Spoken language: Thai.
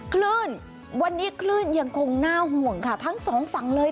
คลื่นวันนี้คลื่นยังคงน่าห่วงค่ะทั้งสองฝั่งเลย